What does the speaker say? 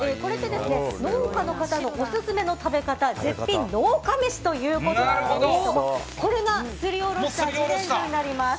農家の方のオススメの食べ方絶品農家メシということなんですけれどもこれがすりおろした自然薯になります。